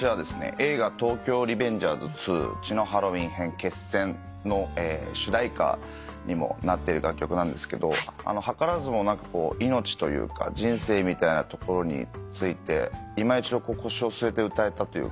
映画『東京リベンジャーズ２血のハロウィン編−決戦−』の主題歌にもなってる楽曲なんですけど図らずも命というか人生みたいなところについていま一度腰を据えて歌えたというか。